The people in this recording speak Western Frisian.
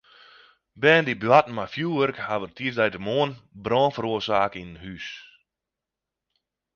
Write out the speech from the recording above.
Bern dy't boarten mei fjurwurk hawwe tiisdeitemoarn brân feroarsake yn in hûs.